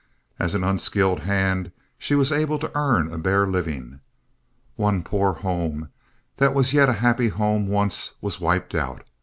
As an unskilled hand she was able to earn a bare living. One poor home, that was yet a happy home once, was wiped out.